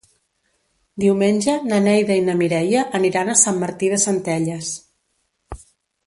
Diumenge na Neida i na Mireia aniran a Sant Martí de Centelles.